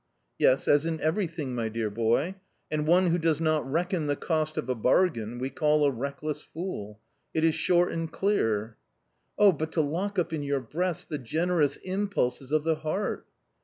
" Yes, as in everything, my dear boy ; and one who does not reckon the cost of a bargain we call a reckless fool. It is short and clear." "Oh, but to lock up in your breast the generous impulses of the heart